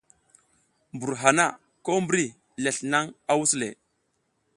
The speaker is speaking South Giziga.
Mbur hana ko mbri lesl naƞ a wus le.